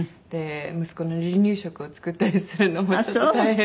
息子の離乳食を作ったりするのもちょっと大変ですけども。